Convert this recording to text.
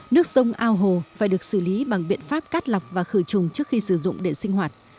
nước sông ao hồ phải được xử lý bằng biện pháp cắt lọc và khử trùng trước khi sử dụng để sinh hoạt